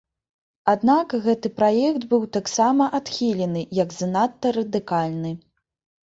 Аднак, гэты праект быў таксама адхілены як занадта радыкальны.